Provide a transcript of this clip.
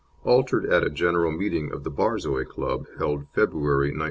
Altered at a general meeting of the Borzoi Club, held February, 1906.)